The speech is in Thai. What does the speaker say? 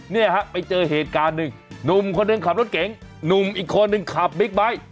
เนี่ยฮะไปเจอเหตุการณ์หนึ่งหนุ่มคนหนึ่งขับรถเก๋งหนุ่มอีกคนหนึ่งขับบิ๊กไบท์